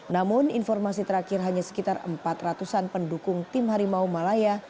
namun informasi terakhir hanya sekitar empat ratus an pendukung tim harimau malaya